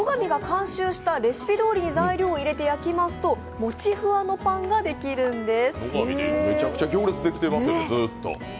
乃が美が監修したレシピどおりに材料を入れるともちふわのパンができるんです。